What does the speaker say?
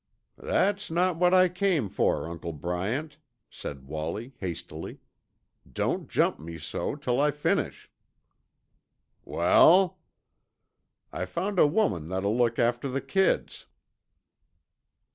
"That's not what I came for, Uncle Bryant," said Wallie hastily. "Don't jump me so till I finish." "Wal?" "I found a woman that'll look after the kids."